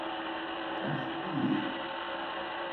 Ras i llis.